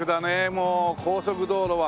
もう高速道路は。